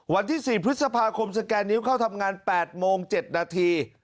วันที่๔พฤษภาคมสแกนนิ้วเข้าทำงาน๘โมง๗นาที